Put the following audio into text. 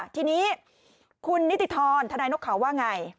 ทีนี้คูณนิติธรณ์ทนานนกข่าวว่าไง